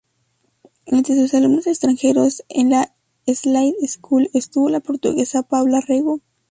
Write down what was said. Entre sus alumnos extranjeros en la Slade School estuvo la portuguesa Paula Rego.